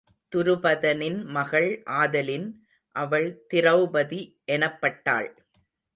துருபதனின் மகள் ஆதலின் அவள் திரெளபதி எனப்பட்டாள்.